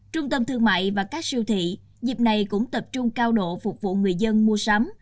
trung tâm thương mại và các siêu thị dịp này cũng tập trung cao độ phục vụ người dân mua sắm